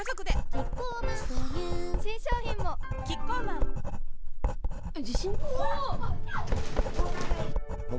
キッコーマン失礼。